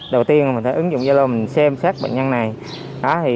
đầu tiên mình phải ứng dụng gia lô mình xem xét bệnh nhân này